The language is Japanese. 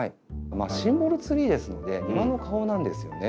シンボルツリーですので庭の顔なんですよね。